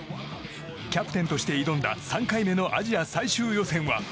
キャプテンとして挑んだ３回目のアジア最終予選は。